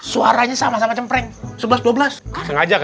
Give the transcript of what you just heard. suaranya sama sama cempreng